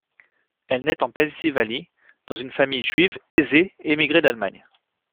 Elle naît en Pennsylvanie, dans une famille juive aisée émigrée d'Allemagne.